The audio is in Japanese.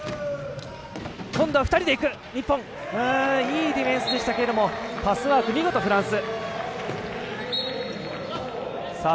いいディフェンスでしたがパスワーク、見事なフランス。